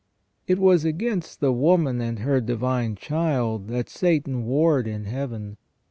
It was against the woman and her Divine Child that Satan warred in Heaven.